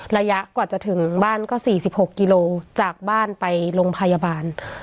ระยะกว่าจะถึงบ้านก็๔๖กิโลจากบ้านไปโรงพยาบาล